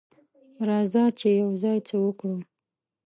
راځه چې یوځای څه وکړو.